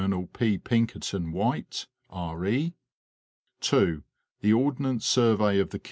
P. Pinkerton White, R.E. 2. The Ordnance Suryey of the.